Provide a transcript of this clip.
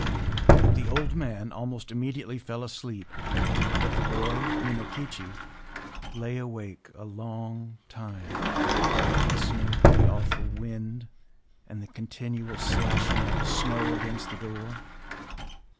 The old man almost immediately fell asleep; but the boy, Minokichi, lay awake a long time, listening to the awful wind, and the continual slashing of the snow against the door.